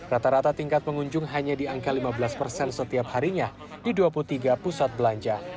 rata rata tingkat pengunjung hanya di angka lima belas persen setiap harinya di dua puluh tiga pusat belanja